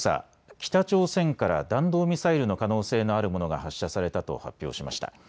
北朝鮮から弾道ミサイルの可能性のあるものが発射されたと発表しました。